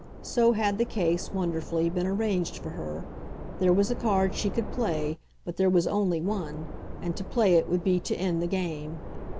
So had the case, wonderfully, been arranged for her; there was a card she could play, but there was only one, and to play it would be to end the game.